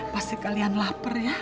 pasti kalian lapar ya